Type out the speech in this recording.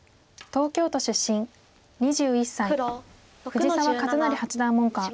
藤澤一就八段門下。